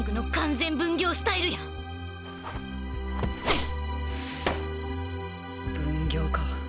心の声分業か。